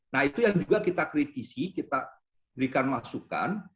nah itu yang juga kita kritisi kita berikan masukan